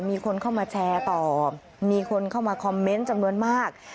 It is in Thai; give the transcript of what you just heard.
มีคนเข้ามาแชร์ต่อมีคนเข้ามาคอมเมนต์จำนวนมาก